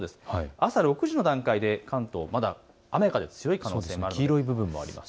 朝６時の段階で関東、雨風強い可能性があります。